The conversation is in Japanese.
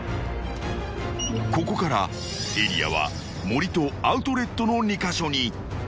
［ここからエリアはｍｏｒｉとアウトレットの２カ所に］